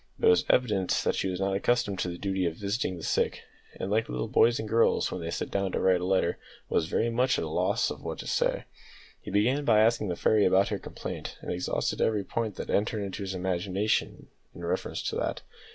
But it was evident that he was not accustomed to the duty of visiting the sick, and, like little boys and girls when they sit down to write a letter, was very much at a loss what to say! He began by asking the fairy about her complaint, and exhausted every point that entered into his imagination in reference to that.